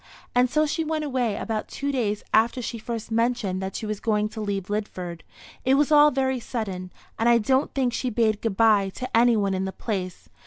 And so she went away about two days after she first mentioned that she was going to leave Lidford. It was all very sudden, and I don't think she bade good bye to any one in the place.